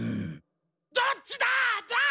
どっちだ！